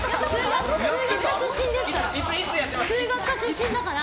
数学科出身だから。